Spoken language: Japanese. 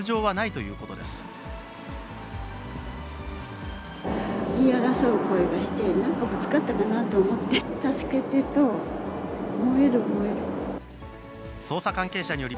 言い争う声がして、何かぶつかったかなと思って、助けてと、燃えろ、燃えろ。